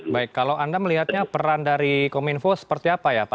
baik kalau anda melihatnya peran dari kominfo seperti apa ya pak